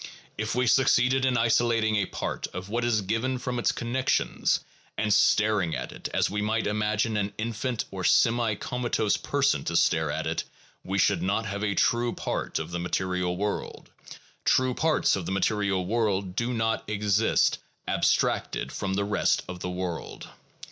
If we succeeded in isolating a part of what is given from its connections, and staring at it as we might imagine an infant or semi comatose person to stare at it, we should not have a true part of the material world; true parts of the material world do not exist abstracted from the rest of the world.